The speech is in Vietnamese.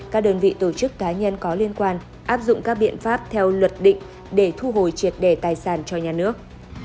các đơn vị tổ chức cá nhân có liên quan áp dụng các biện pháp theo luật định để thu hồi triệt đề tài sản cho nhà nước